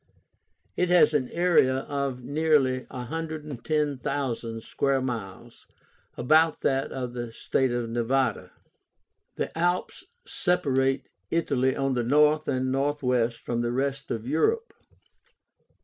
It has an area of nearly 110,000 square miles, about that of the State of Nevada. The Alps separate Italy on the north and northwest from the rest of Europe.